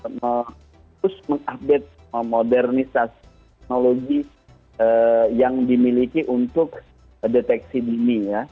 terus mengupdate modernisasi teknologi yang dimiliki untuk deteksi dini ya